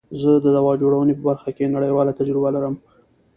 زه د دوا جوړونی په برخه کی نړیواله تجربه لرم.